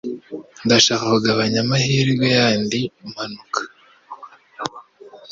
Ndashaka kugabanya amahirwe yandi mpanuka